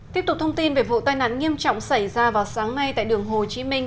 tiếp tục thông tin về vụ tai nạn nghiêm trọng xảy ra vào sáng nay tại đường hồ chí minh